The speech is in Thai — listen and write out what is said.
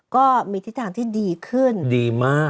ก็มีทิศทางที่ดีขึ้นดีมาก